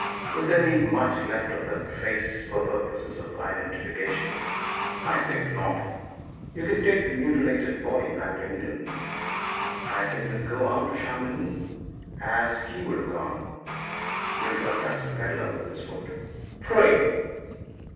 Would there be much left of that face, for purposes of identification? I think not. You can take the mutilated body back to England and I can go on to Chamonix, as he would have gone." Grimshaw touched the pedlar with his foot. "Free."